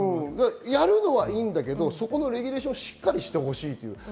やるのはいいけどレギュレーションをしっかりしてほしい。